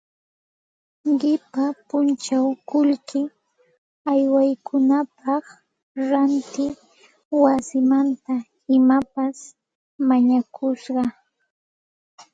Qipa punchaw qullqi haywaykunapaq ranti wasimanta imapas mañakusqa